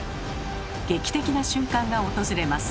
劇的な瞬間が訪れます。